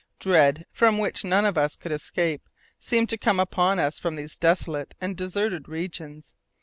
Dread, from which none of us could escape, seemed to come upon us from these desolate and deserted regions.